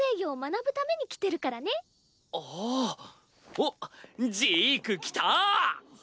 おっジーク来た！